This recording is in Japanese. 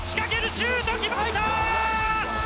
シュート決まった！